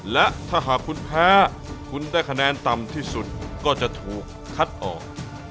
และถ้าหากคุณแพ้คุณได้คะแนนต่ำที่สุดก็จะถูกคัดออก